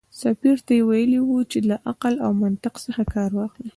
سفیر ته یې ویلي و چې له عقل او منطق څخه کار واخلي.